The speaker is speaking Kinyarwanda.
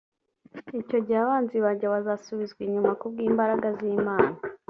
icyo gihe abanzi banjye bazasubizwa inyuma ku bw’imbraga z’imana